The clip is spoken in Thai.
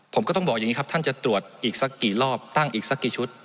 ผมก็ต้องบอกอย่างนี้ครับท่านจะตรวจอีกสักกี่รอบตั้งอีกสักกี่ชุด